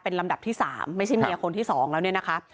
ลำดับที่๓ไม่ใช่เมียคนที่๒แล้วเนี่ยนะคะ